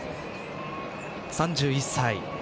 ３１歳。